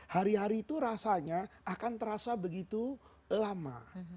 hari hari itu rasanya akan terasa begitu lama